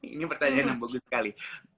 ini pertanyaan yang bagus sekali